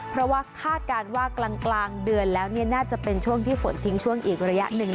เพราะว่าคาดการณ์ว่ากลางเดือนแล้วน่าจะเป็นช่วงที่ฝนทิ้งช่วงอีกระยะหนึ่ง